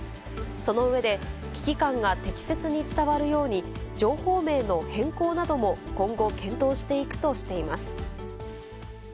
その上で、危機感が適切に伝わるように、情報名の変更なども今後検討していくとしています。